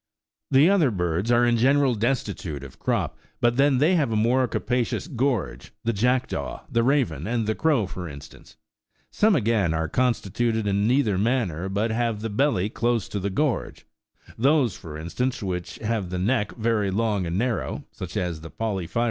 The other birds are in general destitute of crop, but then they have a more ca pacious gorge, the jackdaw, the raven, and the crow, for in stance : some, again, are constituted in neither manner, but have the belly close to the gorge, those, for instance, which have the neck very long and narrow, such as the porphyrio.